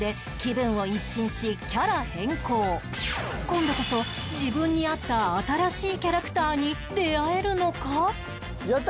今度こそ自分に合った新しいキャラクターに出会えるのか？